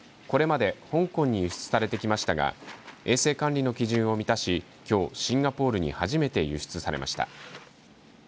これまで香港に輸出されてきましたが衛生管理の基準を満たしきょうシンガポールに初めて輸出されました。